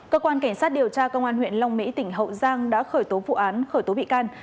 cơ quan cảnh sát điều tra công an huyện long mỹ tỉnh hậu giang đã khởi tố vụ án khởi tố bị can